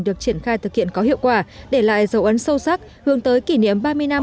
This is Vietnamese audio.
được triển khai thực hiện có hiệu quả để lại dấu ấn sâu sắc hướng tới kỷ niệm ba mươi năm